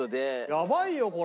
やばいよこれ。